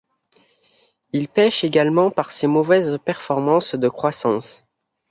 Il pêche également par ses mauvaises performances de croissance.